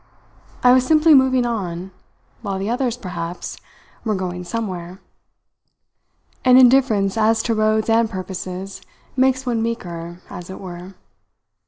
I was simply moving on, while the others, perhaps, were going somewhere. An indifference as to roads and purposes makes one meeker, as it were.